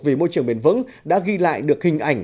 vì môi trường bền vững đã ghi lại được hình ảnh